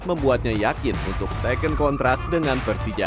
membuatnya yakin untuk taken kontrak dengan persija